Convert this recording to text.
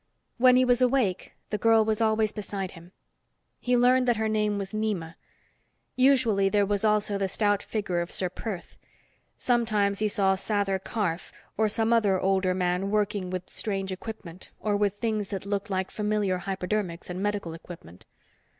When he was awake, the girl was always beside him. He learned that her name was Nema. Usually there was also the stout figure of Ser Perth. Sometimes he saw Sather Karf or some other older man working with strange equipment, or with things that looked like familiar hypodermics and medical equipment.